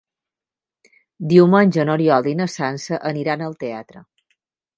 Diumenge n'Oriol i na Sança aniran al teatre.